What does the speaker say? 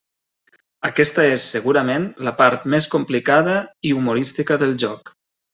Aquesta és, segurament, la part més complicada i humorística del joc.